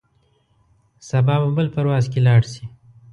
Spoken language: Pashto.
سبا به بل پرواز کې لاړ شې.